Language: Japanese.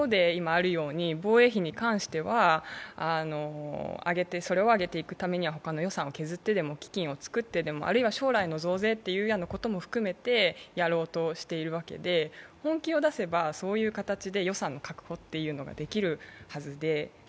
一方で、今あるように、防衛費に関しては、それを上げていくために他の予算を削ってでも、基金を作ってでもあるいは将来の増税というようなことも含めてやろうとしているわけで本気を出せば、そういう形で予算の確保ができるはずで。